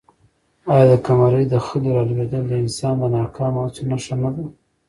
آیا د قمرۍ د خلي رالوېدل د انسان د ناکامو هڅو نښه نه ده؟